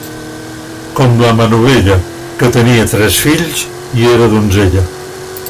Com la Manovella, que tenia tres fills i era donzella.